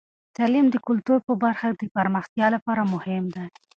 تعلیم د کلتور په برخه کې د پرمختیا لپاره مهم دی.